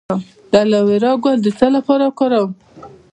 د الوویرا ګل د څه لپاره وکاروم؟